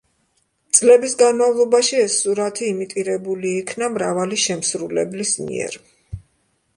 წლების განმავლობაში ეს სურათი იმიტირებული იქნა მრავალი შემსრულებლის მიერ.